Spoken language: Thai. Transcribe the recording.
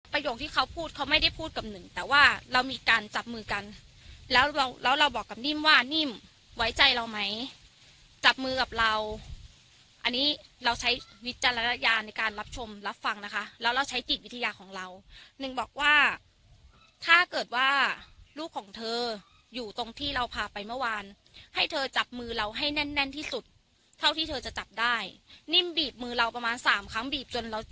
ที่เขาพูดเขาไม่ได้พูดกับหนึ่งแต่ว่าเรามีการจับมือกันแล้วแล้วเราบอกกับนิ่มว่านิ่มไว้ใจเราไหมจับมือกับเราอันนี้เราใช้วิจารณญาณในการรับชมรับฟังนะคะแล้วเราใช้จิตวิทยาของเราหนึ่งบอกว่าถ้าเกิดว่าลูกของเธออยู่ตรงที่เราพาไปเมื่อวานให้เธอจับมือเราให้แน่นแน่นที่สุดเท่าที่เธอจะจับได้นิ่มบีบมือเราประมาณสามครั้งบีบจนเราจะ